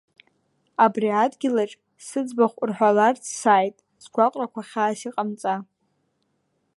Абри адгьылаҿ сыӡбахә рҳәаларц, сааит сгәаҟрақәа хьаас иҟамҵа…